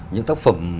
những tác phẩm